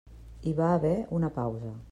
Hi va haver una pausa.